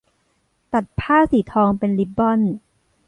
ตัดผ้าสีทองเป็นริบบอน